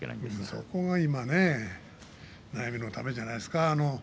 そこが今ね悩みの種じゃないですか